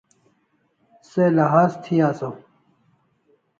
Se lahaz thi asaw